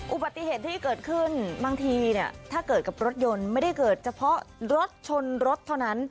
อุบัติเหตุที่เกิดขึ้นบางทีเนี่ยถ้าเกิดกับรถยนต์ไม่ได้เกิดเฉพาะรถชนรถเท่านั้น